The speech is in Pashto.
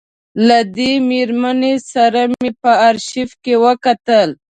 له دې مېرمنې سره مې په آرشیف کې وکتل.